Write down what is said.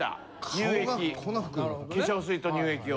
乳液化粧水と乳液を。